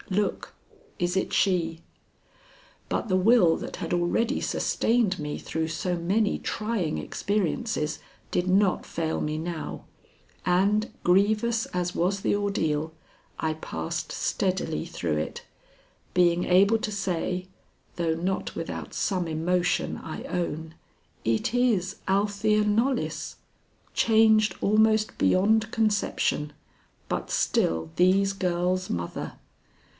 Look! Is it she?" But the will that had already sustained me through so many trying experiences did not fail me now, and, grievous as was the ordeal, I passed steadily through it, being able to say, though not without some emotion, I own: "It is Althea Knollys! Changed almost beyond conception, but still these girls' mother!"